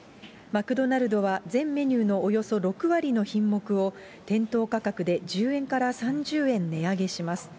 マクドナルドは、全メニューのおよそ６割の品目を、店頭価格で１０円から３０円値上げします。